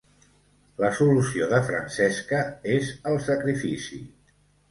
La solució de Francesca és el sacrifici.